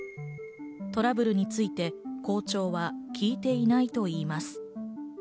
トラブルについて校長は聞いていないと言います。